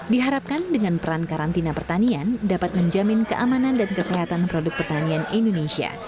diharapkan dengan peran karantina pertanian dapat menjamin keamanan dan kesehatan produk pertanian indonesia